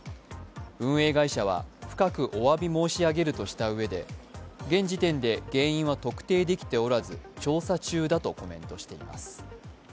運営会社は、深く申し上げるとしたうえで現時点で原因は特定できておらず調査中だとコメントしています。